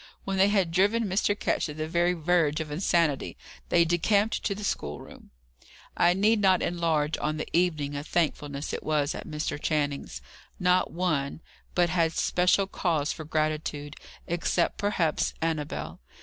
When they had driven Mr. Ketch to the very verge of insanity, they decamped to the schoolroom. I need not enlarge on the evening of thankfulness it was at Mr. Channing's. Not one, but had special cause for gratitude except, perhaps, Annabel.